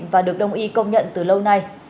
và được đồng ý công nhận từ lâu nay